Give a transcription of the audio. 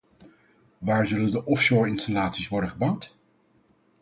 Waar zullen de offshore-installaties worden gebouwd?